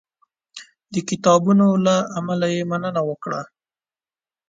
د کتابونو له امله یې مننه وکړه.